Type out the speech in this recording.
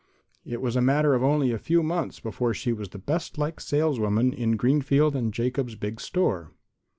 It was a matter of only a few months before she was the best liked saleswoman in Greenfield & Jacobs' big store.